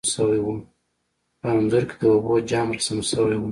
په انځور کې د اوبو جام رسم شوی و.